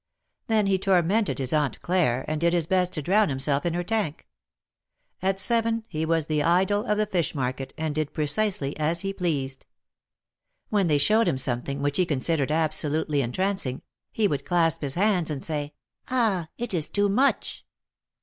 Then he tormented his Aunt Claire, and did his best to drown himself in her tank. At seven he was the idol of the fish market, and did precisely as he pleased. When they showed him something, which he considered absolutely entrancing, be would clasp his hands, and say : '^Ah ! it is too much